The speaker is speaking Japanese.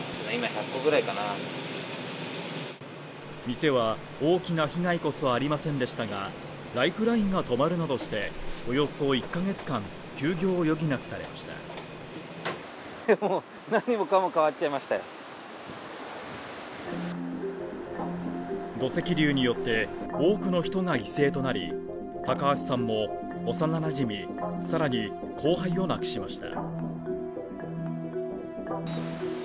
店は大きな被害こそありませんでしたがライフラインが止まるなどしておよそ１か月間休業を余儀なくされました土石流によって多くの人が犠牲となり高橋さんも幼馴染さらに後輩を亡くしました